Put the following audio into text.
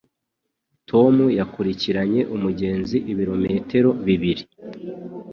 Tom yakurikiranye umugezi ibirometero bibiri.